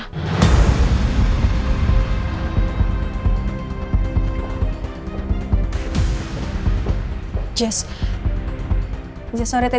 aduh just ini dari mana tadi ya